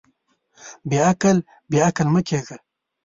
بېعقل، بېعقل مۀ کېږه.